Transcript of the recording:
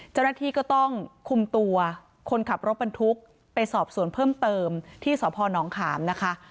เจ้าหน้าที่ก็ต้องคุมตัวคนขับรถบรรทุกไปสอบสวนเพิ่มเติมที่สพนขามนะคะ